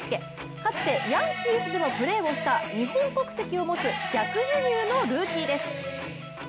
かつてヤンキースでもプレーをした日本国籍を持つ逆輸入のルーキーです。